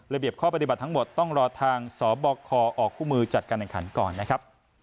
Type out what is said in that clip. เบียบข้อปฏิบัติทั้งหมดต้องรอทางสบคออกคู่มือจัดการแห่งขันก่อนนะครับ